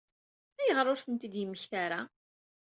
Ayɣer ur tent-id-yemmekta ara?